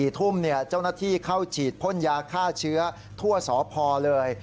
๔ทุ่มเจ้าหน้าที่เข้าฉีดพ่นยาฆ่าเชื้อทั่วสพเลย